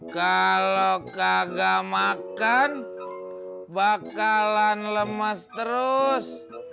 kalau kagak makan bakalan lemas terus